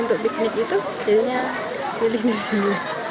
untuk biknik itu jadinya ngeliling disini